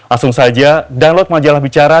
langsung saja danlot majalah bicara